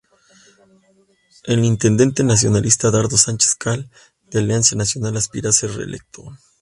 El intendente nacionalista Dardo Sánchez Cal, de Alianza Nacional, aspira a ser reelecto.